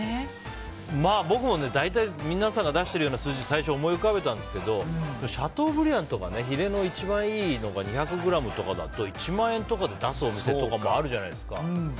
まあ僕も大体皆さんが出しているような数字を最初、思い浮かべたんですけどでもシャトーブリアンとかヒレの一番いいのが２００ｇとかだと１万円とかで出すお店もあるじゃないですか。